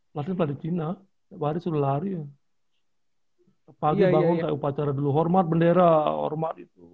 berarti nya tadi cina hari hari suruh lari ya pagi bangun kayak upacara dulu hormat bendera hormat itu